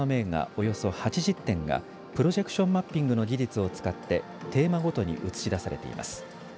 およそ８０点がプロジェクションマッピングの技術を使ってテーマごとに映し出されています。